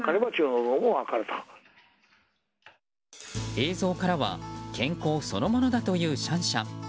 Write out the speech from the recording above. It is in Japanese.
映像からは、健康そのものだというシャンシャン。